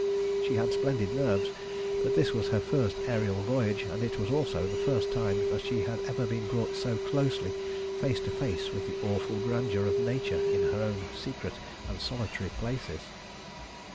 She had splendid nerves, but this was her first aërial voyage, and it was also the first time that she had ever been brought so closely face to face with the awful grandeur of Nature in her own secret and solitary places.